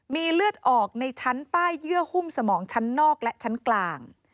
มีเลือดออกในชั้นใต้เยื่อหุ้มสมองชั้นนอกและชั้นกลาง